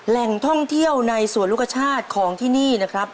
แหล่งท่องเที่ยวในสวนลูกชาติของที่นี่นะครับ